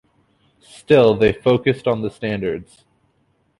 Still they focused on the standards.